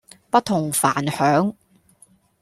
不同凡響